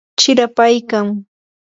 chirapaykan.